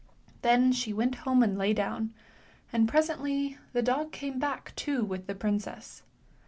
Then she went home and lay down, and presently the dog came back, too, with the princess.